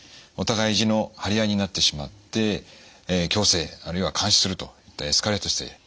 お互い意地の張り合いになってしまって強制あるいは監視するとエスカレートして。